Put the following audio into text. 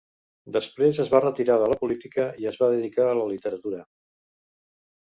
Després es va retirar de la política i es va dedicar a la literatura.